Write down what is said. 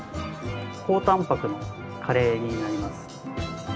高タンパクのカレーになります。